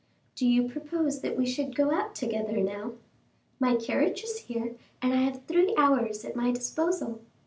"Do you propose that we should go out together now?" "My carriage is here, and I have three hours at my disposal."